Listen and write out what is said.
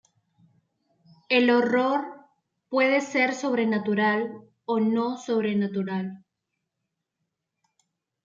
El horror puede ser sobrenatural o no sobrenatural.